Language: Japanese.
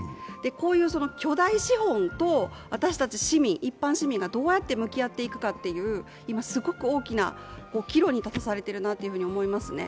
こういう巨大資本と私たち一般市民がどうやって向き合っていくかという、今すごく大きな岐路に立たされているなと思いますね。